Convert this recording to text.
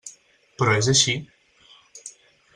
Però és així.